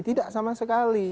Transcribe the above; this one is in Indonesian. tidak sama sekali